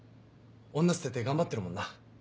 女捨てて頑張ってるもんな。